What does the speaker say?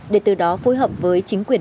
để từ đó phối hợp với chính quyền